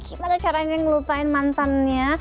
gimana caranya ngelupain mantannya